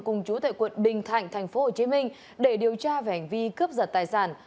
cùng chú tại quận bình thạnh tp hcm để điều tra về hành vi cướp giật tài sản